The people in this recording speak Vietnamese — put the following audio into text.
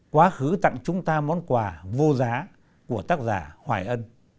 quá khứ tặng chúng ta món quà vô giá của tác giả hoài ân